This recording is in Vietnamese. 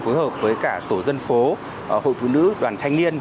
phối hợp với cả tổ dân phố hội phụ nữ đoàn thanh niên